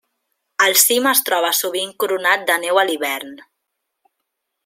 El cim es troba sovint coronat de neu a l'hivern.